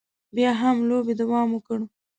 بیا هم لوبې دوام وکړ.